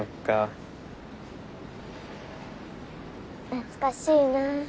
懐かしいな。